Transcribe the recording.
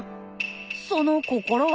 その心は？